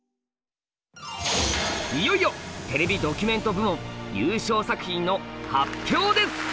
いよいよテレビドキュメント部門優勝作品の発表です。